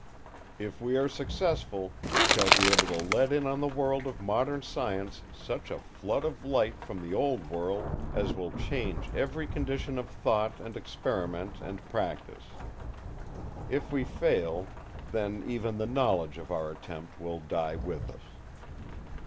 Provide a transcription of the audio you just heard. If we are successful we shall be able to let in on the world of modern science such a flood of light from the Old World as will change every condition of thought and experiment and practice. If we fail, then even the knowledge of our attempt will die with us.